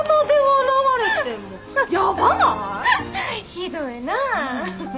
ひどいなぁ。